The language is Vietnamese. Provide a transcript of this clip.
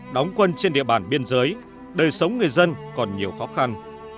đóng quân trên địa bàn biên giới đời sống người dân còn nhiều khó khăn